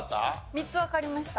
３つわかりました。